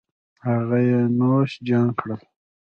هغه یې نوش جان کړل